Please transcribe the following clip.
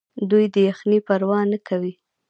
دوی د یخنۍ پروا نه کوي.